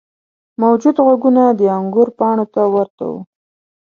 موجود غوږونه د انګور پاڼو ته ورته وو.